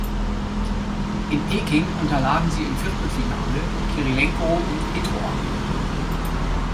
In Peking unterlagen sie im Viertelfinale Kirilenko und Petrowa.